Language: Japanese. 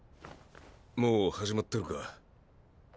もう始まってるか？